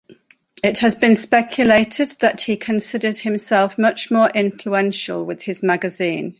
It has been speculated that he considered himself much more influential with his magazine.